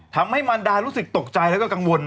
ทำให้มันดารู้สึกตกใจแล้วก็กังวล